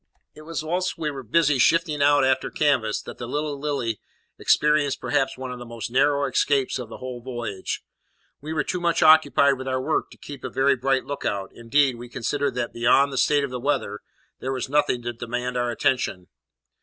It was whilst we were busy shifting our after canvas that the little Lily experienced perhaps one of the most narrow escapes of the whole voyage. We were too much occupied with our work to keep a very bright look out; indeed, we considered that, beyond the state of the weather, there was nothing to demand our attention.